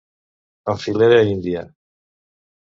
En filera índia.